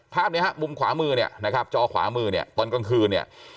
ภาพนี้ฮะมุมขวามือเนี่ยนะครับจอขวามือเนี่ยตอนกลางคืนเนี่ย